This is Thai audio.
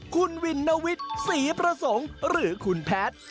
คุณวินวิทย์ศรีประสงค์หรือคุณแพทย์